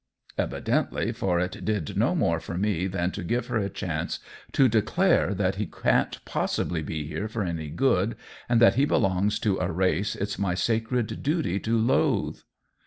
"Evidently, for it did no more for me than to give her a chance to declare that he can't possibly be here for any good, and that he belongs to a race it's my sacred duty to loathe."